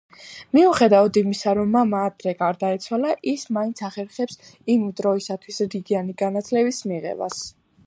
მიუხედავად იმისა, რომ მამა ადრე გარდაეცვალა, ის მაინც ახერხებს იმ დროისათვის რიგიანი განათლების მიღებას.